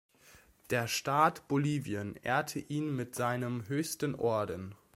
Der Staat Bolivien ehrte ihn mit seinem höchsten Orden.